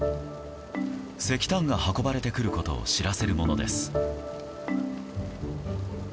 石炭が運ばれてくることを知らせるものです。